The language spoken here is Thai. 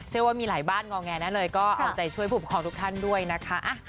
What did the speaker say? เชื่อว่ามีหลายบ้านงอแงนั้นเลยก็เอาใจช่วยผุมของทุกท่านด้วยนะคะ